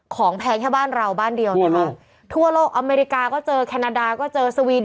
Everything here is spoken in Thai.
แพงแค่บ้านเราบ้านเดียวนะคะทั่วโลกอเมริกาก็เจอแคนาดาก็เจอสวีน